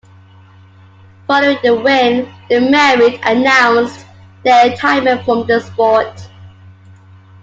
Following the win, they married and announced their retirement from the sport.